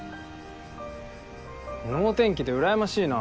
能天気でうらやましいな。